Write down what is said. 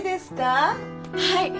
はい。